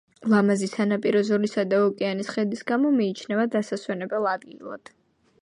ლამაზი სანაპირო ზოლისა და ოკეანის ხედის გამო, მიიჩნევა დასასვენებელ ადგილად.